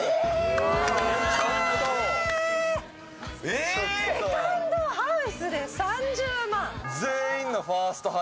えー、セカンドハウスで３０万？